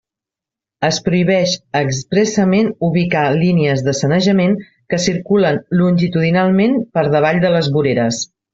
Es prohibix expressament ubicar línies de sanejament que circulen longitudinalment per davall de les voreres.